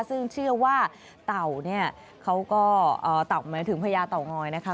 ซึ่งเชื่อว่าเต่าเนี่ยเขาก็เต่าหมายถึงพญาเต่างอยนะคะ